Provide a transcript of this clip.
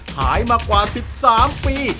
ขายมากว่า๑๓ปี